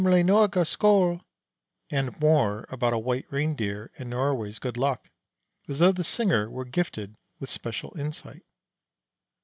Gamle Norge Skoal!" and more about "a White Reindeer and Norway's good luck," as though the singer were gifted with special insight.